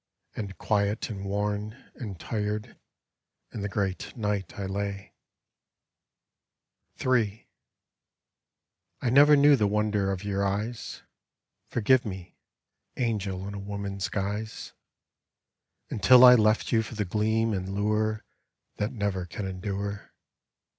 And quiet and worn and tired in the great night I lay. AERE PERENNIUS III I never knew the wonder of your eyes. (Forgive me, angel in a woman's guise!) Until I left you for the gleam and lure That never can endure.